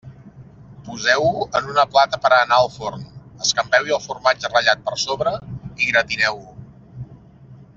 Poseu-ho en una plata per a anar al forn, escampeu-hi el formatge ratllat per sobre i gratineu-ho.